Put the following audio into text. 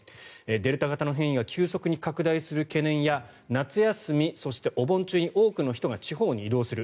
デルタ型の変異が急速に拡大する懸念や夏休み、そしてお盆中に多くの人が地方に移動する。